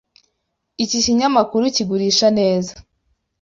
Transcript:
Iki kinyamakuru kigurisha neza.